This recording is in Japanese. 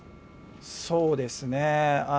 そうですね。